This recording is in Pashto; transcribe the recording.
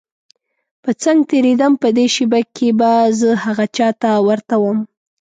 په څنګ تېرېدم په دې شېبه کې به زه هغه چا ته ورته وم.